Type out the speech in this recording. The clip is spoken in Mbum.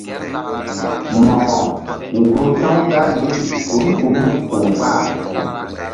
Mo̧ko nzuh ta̧w gar yeri kum kum ku̧ kpah.